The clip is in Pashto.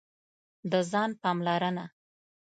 د ځان پاملرنه: